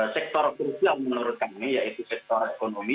enam sektor fungsi yang menurut kami yaitu sektor ekonomi